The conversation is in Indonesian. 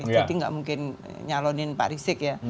jadi nggak mungkin nyalonin pak risik ya